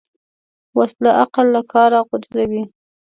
وسله عقل له کاره غورځوي